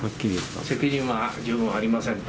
責任は自分はありませんと。